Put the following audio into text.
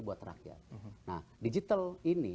buat rakyat nah digital ini